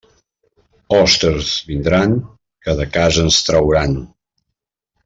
Hostes vindran que de casa ens trauran.